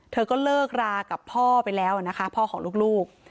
เธอก็เลิกรากับพ่อไปแล้วนะคะพ่อของลูก